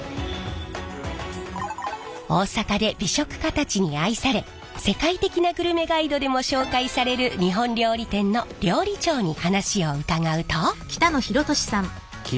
大阪で美食家たちに愛され世界的なグルメガイドでも紹介される日本料理店の料理長に話を伺うと。